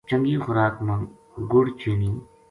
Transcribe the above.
چنگی خوراک ما گُڑ چینی